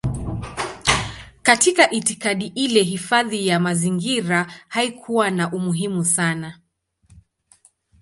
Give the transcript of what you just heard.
Katika itikadi ile hifadhi ya mazingira haikuwa na umuhimu sana.